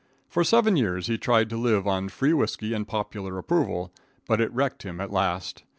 For seven years he tried to live on free whiskey and popular approval, but it wrecked him at last.